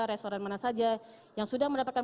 restoran mana saja yang sudah mendapatkan